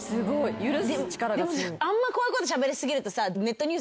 でもこういうことしゃべり過ぎるとさ。